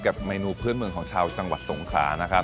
เมนูพื้นเมืองของชาวจังหวัดสงขลานะครับ